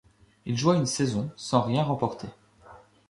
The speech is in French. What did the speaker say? Il joua une saison sans rien remporter.